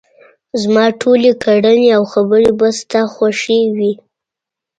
زما ټولې کړنې او خبرې به ستا خوښې وي.